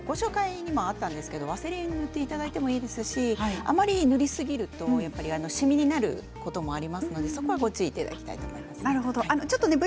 ワセリンを塗っていただいてもいいですしあまり塗りすぎるとしみになることもありますのでそこはご注意いただきたいと思います。